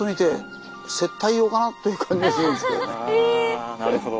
あなるほど。